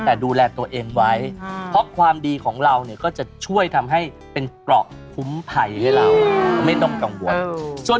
แต่ดูแลตัวเองไว้เพราะความดีของเราเนี่ยก็จะช่วยทำให้เป็นเกราะคุ้มภัยให้เราไม่ต้องกังวล